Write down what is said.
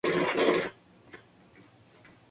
Deja Vu